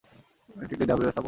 এটি একটি দ্রাবিড়ীয় স্থাপত্য।